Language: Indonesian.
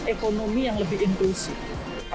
ekonomi yang lebih inklusif